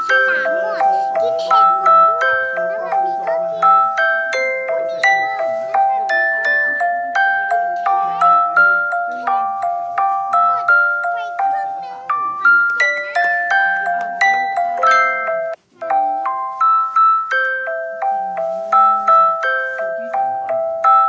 ก็เป็นเหมือนกัน